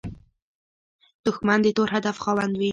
دښمن د تور هدف خاوند وي